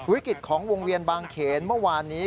วิกฤตของวงเวียนบางเขนเมื่อวานนี้